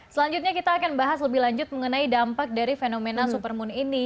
selanjutnya kita akan bahas lebih lanjut mengenai dampak dari fenomena supermoon ini